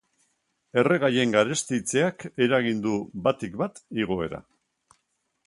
Erregaien garestitzeak eragin du batik bat igoera.